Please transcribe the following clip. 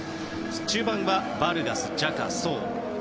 中盤はバルガス、ジャカ、ソウ。